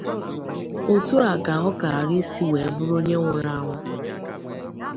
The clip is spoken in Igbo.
Otu a ka ọ kaara isi wee bụrụ onye nwụrụ anwụ.